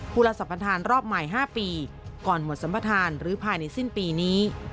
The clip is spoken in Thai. ผู้รับประทานรอบใหม่๕ปีก่อนหมดสัมประธานหรือภายในสิ้นปีนี้